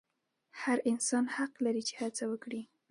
هر انسان حق لري چې هڅه وکړي.